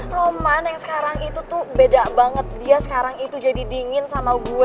roman yang sekarang itu tuh beda banget dia sekarang itu jadi dingin sama gue